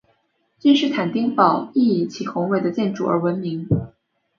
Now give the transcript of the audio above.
君士坦丁堡亦以其宏伟的建筑而闻名。